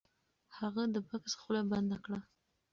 هغه د بکس خوله بنده کړه. .